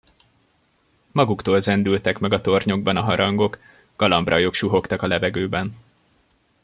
Maguktól zendültek meg a tornyokban a harangok, galambrajok suhogtak a levegőben.